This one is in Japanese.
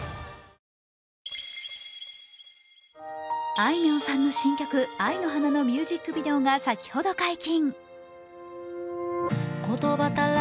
あいみょんさんの新曲「愛の花」のミュージックビデオが先ほど解禁。